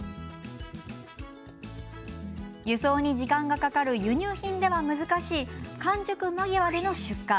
輸送に時間がかかる輸入品では難しい完熟間際での出荷。